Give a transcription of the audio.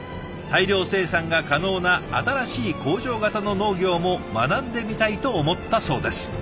大量生産が可能な新しい工場型の農業も学んでみたいと思ったそうです。